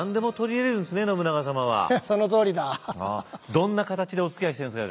どんな形でおつきあいしてるんですか